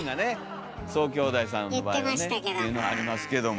宗兄弟さんの場合はねっていうのありますけども。